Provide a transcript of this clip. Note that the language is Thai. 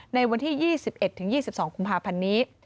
ในวันที่๒๑๒๒กุมภาพันธ์นี้